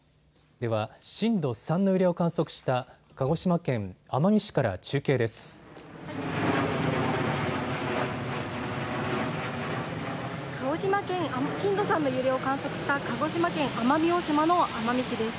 では震度３の揺れを観測した鹿児島県奄美市から中継です。